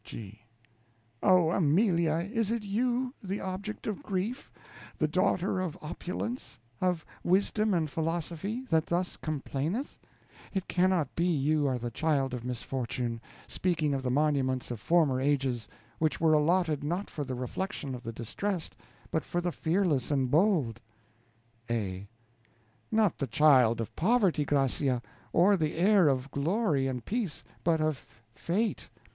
G. Oh, Amelia, is it you, the object of grief, the daughter of opulence, of wisdom and philosophy, that thus complaineth? It cannot be you are the child of misfortune, speaking of the monuments of former ages, which were allotted not for the reflection of the distressed, but for the fearless and bold. A. Not the child of poverty, Gracia, or the heir of glory and peace, but of fate.